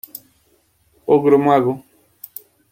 Ogro mago.